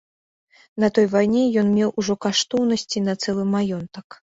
На той вайне ён меў ужо каштоўнасцей на цэлы маёнтак.